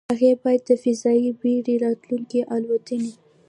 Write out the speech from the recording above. هغې باید د فضايي بېړۍ راتلونکې الوتنې